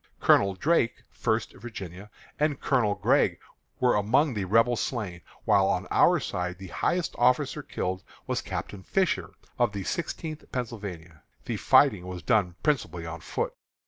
Colonel Drake (First Virginia) and Colonel Gregg were among the Rebel slain, while on our side the highest officer killed was Captain Fisher, of the Sixteenth Pennsylvania. The fighting was done principally on foot.